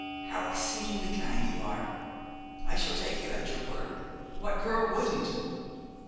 "How exceedingly kind of you! I shall take you at your word. What girl wouldn't?"